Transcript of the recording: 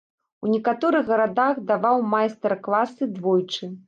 У некаторых гарадах даваў майстар-класы двойчы.